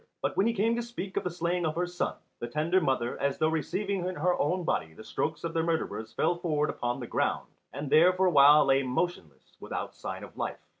But when he came to speak of the slaying of her son, the tender mother, as though receiving in her own body the strokes of the murderers fell forward upon the ground, and there for a while lay motionless without sign of life.